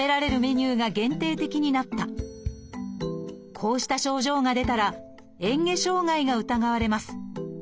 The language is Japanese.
こうした症状が出たらえん下障害が疑われます。